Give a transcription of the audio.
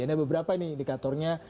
ini beberapa nih indikatornya